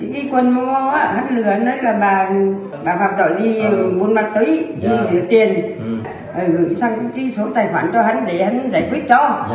đi muôn mặt tối đi rửa tiền sang số tài khoản cho hắn để hắn giải quyết cho